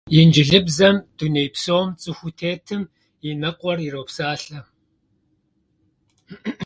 Инджылызыбзэм дуней псом цӀыхуу тетым и ныкъуэр иропсалъэ!